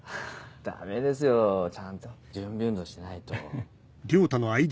ダメですよちゃんと準備運動しないと。